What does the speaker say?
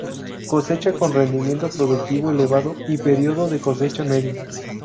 Cosecha con rendimiento productivo elevado, y periodo de cosecha medio.